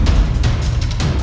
kau sendiri itu wise